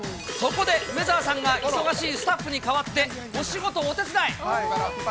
そこで梅澤さんが忙しいスタッフに代わって、お仕事をお手伝い。